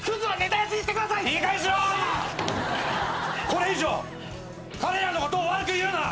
これ以上彼らのことを悪く言うな。